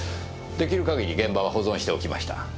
出来る限り現場は保存しておきました。